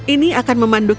ini akan memandu kita